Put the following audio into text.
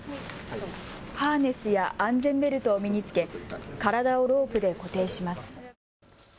ハーネスや安全ベルトを身に着け体をロープで固定します。